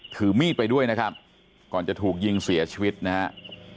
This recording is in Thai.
ถือมีดไปด้วยนะครับก่อนจะถูกยิงเสียชีวิตนะครับ